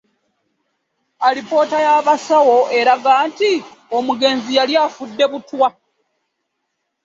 Alipoota y'abasawo eraga nti omugenzi yali afudde butwa